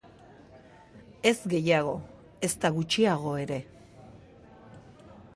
Ez gehiago, ezta gutxiago ere.